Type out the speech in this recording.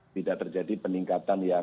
tidak terjadi peningkatan yang